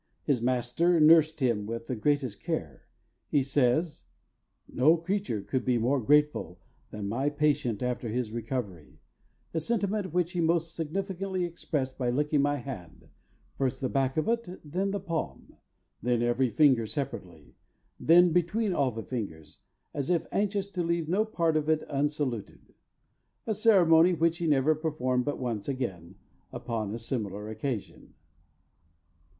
His master nursed him with the greatest care. He says: "No creature could be more grateful than my patient after his recovery a sentiment which he most significantly expressed by licking my hand, first the back of it, then the palm, then every finger separately, then between all the fingers, as if anxious to leave no part of it unsaluted; a ceremony which he never performed but once again, upon a similar occasion."